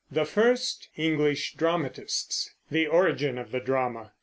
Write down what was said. THE FIRST ENGLISH DRAMATISTS THE ORIGIN OF THE DRAMA.